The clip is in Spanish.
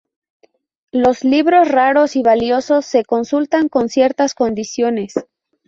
Los libros raros y valiosos se consultan con ciertas condiciones.